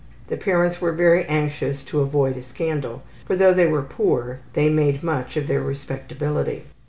The parents were very anxious to avoid a scandal, for though they were poor they made much of their respectability